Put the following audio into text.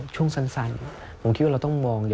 ช่วงสั้นผมคิดว่าเราต้องมอง